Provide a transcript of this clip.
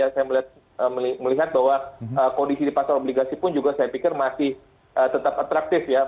saya melihat bahwa kondisi di pasar obligasi pun juga saya pikir masih tetap atraktif ya